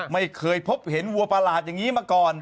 ไม่เคยพบเห็นวัวประหลาดอย่างนี้มาก่อน